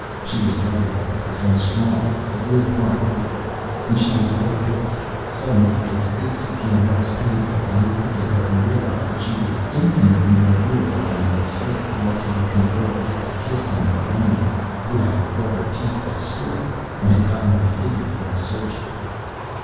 She was rugged, all right, and strong: a good hard worker. And she was well built. Suddenly his aches became less painful, as he looked at her and realized that she was infinitely more beautiful than the slick, glossy looking girl he had kissed on the veranda, who had bought her teeth at a store and had gotten her figure from a surgeon.